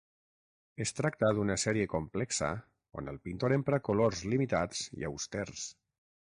Es tracta d'una sèrie complexa on el pintor empra colors limitats i austers.